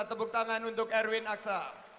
tepuk tangan untuk erwin aksa